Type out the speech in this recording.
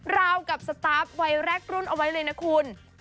ราวกับสตาร์ฟวัยแรกรุ่นเอาไว้เลยนะคุณ